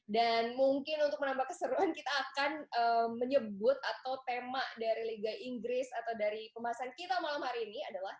dan mungkin untuk menambah keseruan kita akan menyebut atau tema dari liga inggris atau dari pembahasan kita malam hari ini adalah